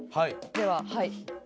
でははい。